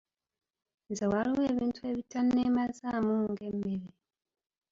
Nze waliwo ebintu ebitanneemazaamu ng’emmere.